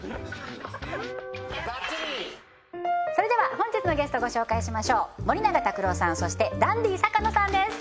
本日のゲストをご紹介しましょう森永卓郎さんそしてダンディ坂野さんです